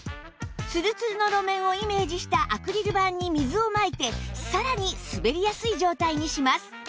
ツルツルの路面をイメージしたアクリル板に水をまいてさらに滑りやすい状態にします